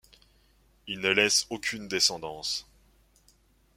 Il ne laisse aucune descendance.